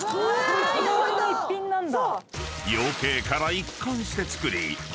こだわりの一品なんだ。